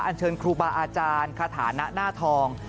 เชิญครูบาอาจารย์คาถานะหน้าทอง